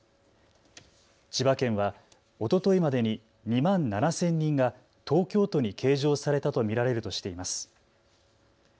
千葉県はおとといまでに２万７０００人が東京都に計上されたと見られるとしています。